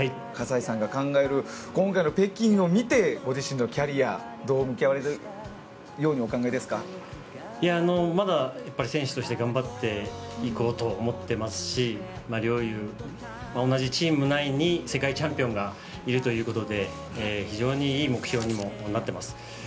葛西さんが考える今回の北京を見てご自身のキャリアどう向き合われようとまだ選手として頑張っていこうと思っていますし陵侑も、同じチーム内に世界チャンピオンがいるということで非常にいい目標にもなっています。